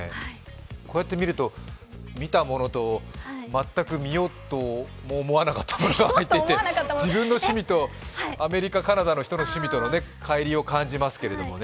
こうやって見ると、見たものと全く見ようと思わなかったものが入っていて自分の趣味とアメリカ、カナダの人との趣味のかい離を感じますけどもね。